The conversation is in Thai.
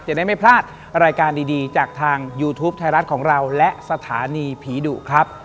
จะได้ไม่พลาดรายการดีจากทางยูทูปไทยรัฐของเราและสถานีผีดุครับ